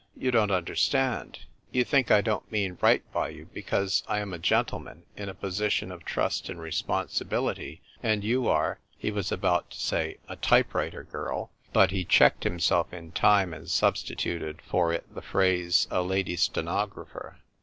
"You don't understand. You think I don't mean right by you because ! am a gentleman in a position of Trust and Re sponsibility, and you are "— he was about to say "a type writer girl," but he checked him self in time and substituted for it the phrase " a lady stenographer."